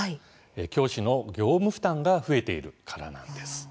教師の業務負担が増えているからなんです。